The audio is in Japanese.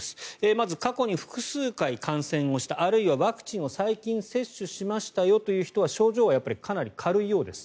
まず過去に複数回感染をしたあるいはワクチンを最近接種しましたよという人は症状はかなり軽いようです。